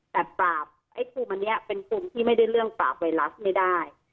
แต่ปราบไอ้กลุ่มอันนี้เป็นกลุ่มที่ไม่ได้เรื่องปราบไวรัสไม่ได้